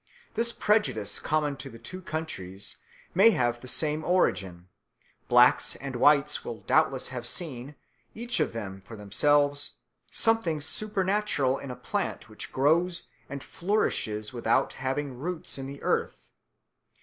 This prejudice, common to the two countries, may have the same origin; blacks and whites will doubtless have seen, each of them for themselves, something supernatural in a plant which grows and flourishes without having roots in the earth.